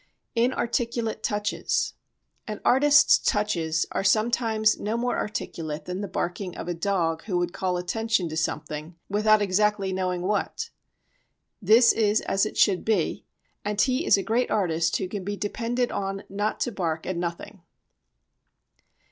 Inarticulate Touches An artist's touches are sometimes no more articulate than the barking of a dog who would call attention to something without exactly knowing what. This is as it should be, and he is a great artist who can be depended on not to bark at nothing.